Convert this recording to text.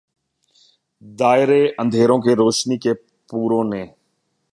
دائرے اندھیروں کے روشنی کے پوروں نے